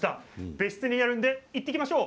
別室にあるので行ってみましょう。